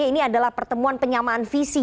ini adalah pertemuan penyamaan visi